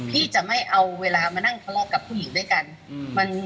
พี่จะไม่เอาเวลามานั่งทะเลาะกับผู้หญิงด้วยกัน